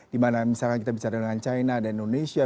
dimana misalkan kita bicara dengan china dan indonesia